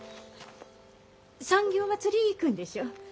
産業まつり行くんでしょ。